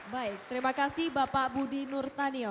baik terima kasih bapak budi nur tanyo